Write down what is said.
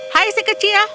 hai si kecil